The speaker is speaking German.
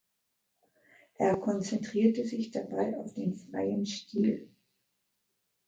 Er konzentrierte sich dabei auf den freien Stil.